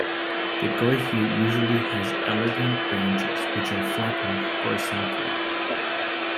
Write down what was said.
The coihue usually has elegant branches which are flattened horizontally.